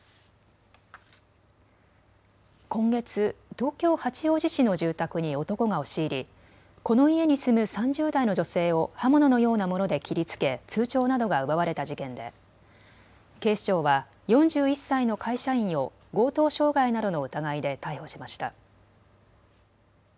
今月、東京八王子市の住宅に男が押し入り、この家に住む３０代の女性を刃物のようなもので切りつけ通帳などが奪われた事件で警視庁は４１歳の会社員を強盗傷害などの疑いで逮捕しました。